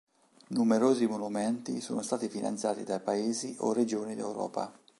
Numerosi monumenti sono stati finanziari dai paesi o regioni d'Europa.